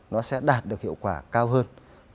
nó sẽ đạt được hiệu quả cao hơn